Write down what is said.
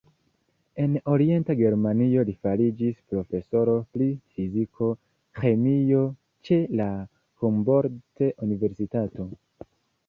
En Orienta Germanio li fariĝis profesoro pri fizika ĥemio ĉe la Humboldt-universitato.